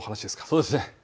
そうですね。